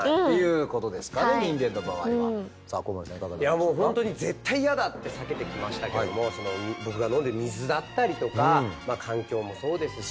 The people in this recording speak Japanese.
いやもう本当に絶対嫌だって避けてきましたけども僕が飲んでる水だったりとか環境もそうですし